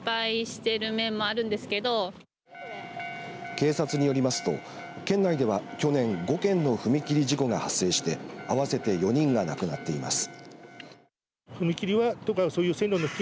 警察によりますと県内では去年５件の踏切事故が発生して合わせて４人が亡くなっています。